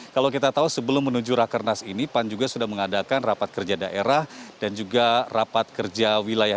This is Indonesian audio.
kalau kita tahu sebelum menuju rakernas ini pan juga sudah mengadakan rapat kerja daerah dan juga rapat kerja wilayah